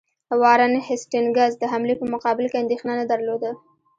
وارن هیسټینګز د حملې په مقابل کې اندېښنه نه درلوده.